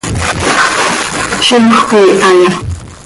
¿Zímjöc iihaya?